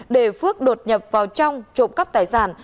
để phước đột nhập vào trong trộm cắp tài sản